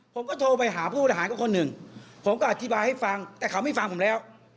ผมก็โทรไปหาผู้ทหารก็คนหนึ่งผมก็อธิบายให้ฟังแต่เขาไม่ฟังผมแล้ว